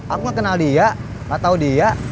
aku kenal dia gak tahu dia